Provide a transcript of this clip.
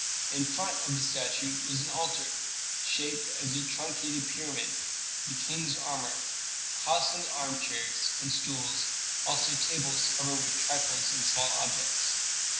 In front of the statue was an altar shaped as a truncated pyramid, the king's armor, costly armchairs and stools, also tables covered with trifles and small objects.